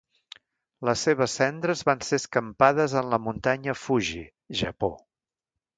Les seves cendres van ser escampades en la Muntanya Fuji, Japó.